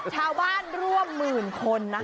ชาวบ้านร่วมหมื่นคนนะคะ